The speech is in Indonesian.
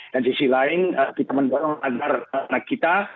dan sisi lain kita mendorong agar anak kita